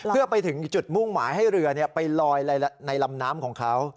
เพื่อไปถึงจุดมุ่งหมายให้เรือไปลอยในลำน้ำของเขา